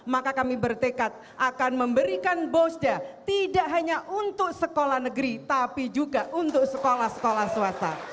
maka kami bertekad akan memberikan bosda tidak hanya untuk sekolah negeri tapi juga untuk sekolah sekolah swasta